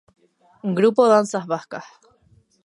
Grupo Danzas vascas.